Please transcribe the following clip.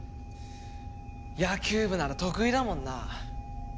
野球部なら得意だもんな。